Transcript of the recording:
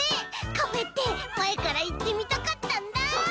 カフェってまえからいってみたかったんだ。